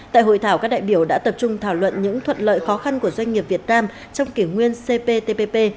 tại hội thảo các đại biểu đã tập trung thảo luận những thuận lợi khó khăn của doanh nghiệp việt nam trong kỷ nguyên cptpp